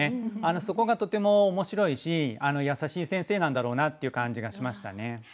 そこがとても面白いし優しい先生なんだろうなっていう感じがしましたね。